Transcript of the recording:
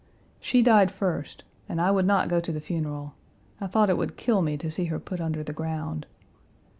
She died first, and I would not go to the funeral. I thought it would kill me to see her put under the ground.